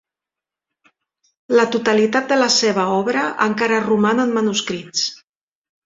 La totalitat de la seva obra encara roman en manuscrits.